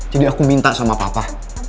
jadi aku minta sama papa